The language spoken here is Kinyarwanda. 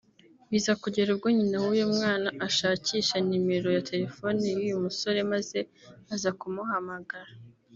biza kugera ubwo nyina w’uyu mwana ashakisha nimero ya telefone y’uyu musore maze aza kumuhamagara